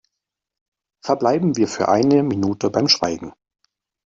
Verbleiben wir für eine Minute beim Schweigen!